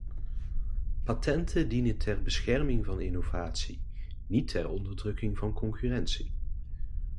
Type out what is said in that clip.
Patenten dienen ter bescherming van innovatie, niet ter onderdrukking van concurrentie.